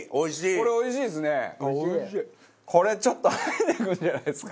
これちょっと入ってくるんじゃないですか？